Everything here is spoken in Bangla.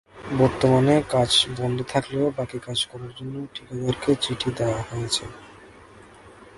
বর্তমানে কাজ বন্ধ থাকলেও বাকি কাজ করার জন্য ঠিকাদারকে চিঠি দেওয়া হয়েছে।